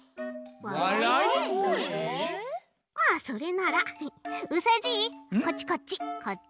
まあそれならうさじいこっちこっち。